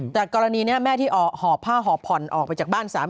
แต่กรณีนี้แม่ที่หอบผ้าหอบผ่อนออกไปจากบ้านสามี